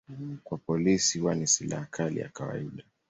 Kwa polisi huwa ni silaha kali ya kawaida.